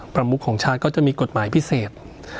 ประมุขของชาติก็จะมีกฎหมายพิเศษ